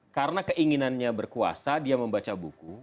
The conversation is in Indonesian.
karena keinginannya berkuasa dia membaca buku